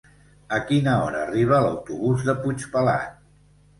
A quina hora arriba l'autobús de Puigpelat?